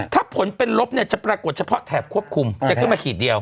ถ้าผลเป็นลบเนี่ยจะปรากฏเฉพาะแถบควบคุมจะขึ้นมาขีดเดียว